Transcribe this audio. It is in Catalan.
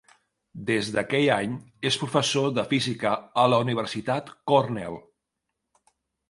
Des d'aquell any és professor de física a la Universitat Cornell.